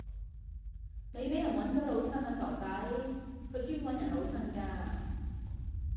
你俾人搵咗老襯啦傻仔，佢專搵人老襯㗎